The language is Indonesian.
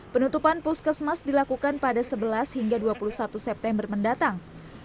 penutupan puskesmas dilakukan pada sebelas hingga dua puluh satu september mendatang